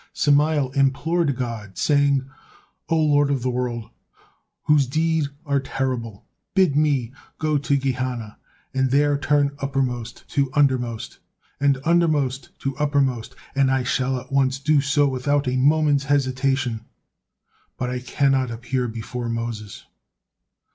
Samael implored God, saying: "O Lord of the world, whose deed are terrible, bid me go to Gehenna and there turn uppermost to undermost, and undermost to uppermost, and I shall at once do so without a moment's hesitation, but I cannot appear before Moses."